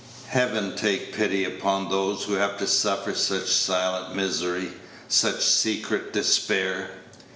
Heaven take pity upon those who have to suffer such silent misery, such secret despair!